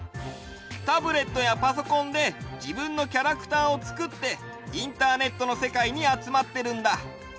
タブレットやパソコンでじぶんのキャラクターをつくってインターネットのせかいにあつまってるんだ。